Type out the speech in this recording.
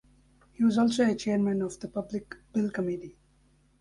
He was also a Chairman of the Public Bill Committee.